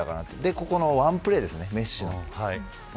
ここのワンプレーですねメッシの。